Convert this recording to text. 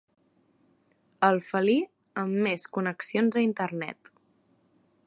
El felí amb més connexions a internet.